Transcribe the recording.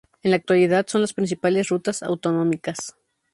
En la actualidad, son las principales rutas autonómicas.